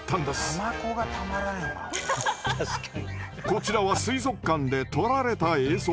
こちらは水族館で撮られた映像。